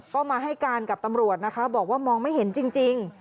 ก็มาให้การกับตำรวจนะคะบอกว่ามองไม่เห็นจริง